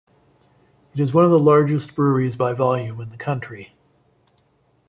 It is one of the largest breweries by volume in the country.